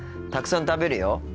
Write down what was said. たくさん食べるよ。